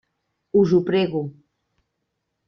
Us ho prego.